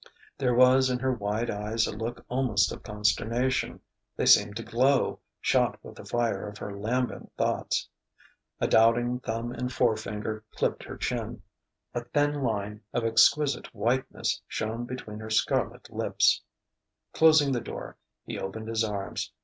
There was in her wide eyes a look almost of consternation; they seemed to glow, shot with the fire of her lambent thoughts. A doubting thumb and forefinger clipped her chin; a thin line of exquisite whiteness shone between her scarlet lips. Closing the door, he opened his arms.